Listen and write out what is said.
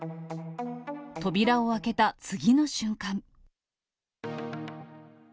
扉を開けた次の瞬間。